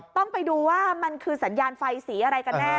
ต้องไปดูว่ามันคือสัญญาณไฟสีอะไรกันแน่